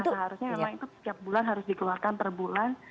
seharusnya memang itu setiap bulan harus dikeluarkan per bulan